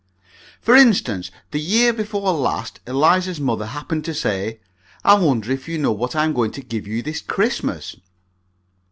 For instance, the year before last Eliza's mother happened to say, "I wonder if you know what I am going to give you this Christmas."